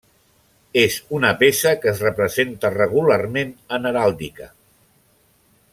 És una peça que es representa regularment en heràldica.